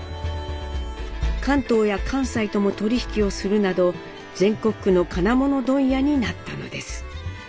関東や関西とも取り引きをするなど全国区の金物問屋になったのです。